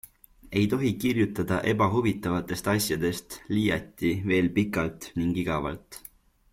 Ei tohi kirjutada ebahuvitavatest asjadest, liiati veel pikalt ning igavalt.